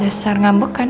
dasar ngambek kan